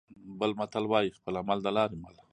بل متل وايي: خپل عمل د لارې مل.